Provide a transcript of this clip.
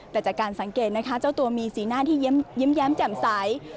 แต่จากการสังเกตนะคะเจ้าตัวมีสีหน้าที่ยิ้มแย้มแจ่มใส